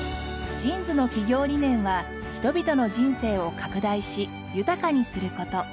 ＪＩＮＳの企業理念は人々の人生を拡大し豊かにする事。